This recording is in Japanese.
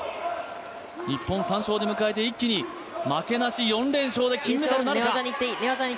日本、３勝で迎えて一気に負けなし４連勝で金メダルなるか。